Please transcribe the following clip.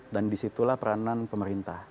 dan disitulah peranan pemerintah